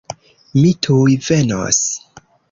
Mi tuj venos.